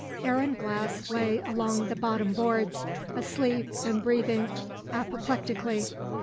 Aaron Glass lay along the bottom boards, asleep and breathing apoplectically.